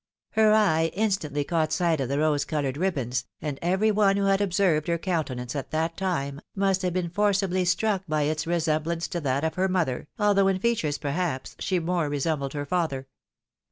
Her eye instantly caught sight of the rose coloured ribbons, and every one who had observed her countenance at that time, must have been THE NEW BONNET. 43 forcibly struck by its resemblance to that of her mother, although in features perhaps she more resembled her father.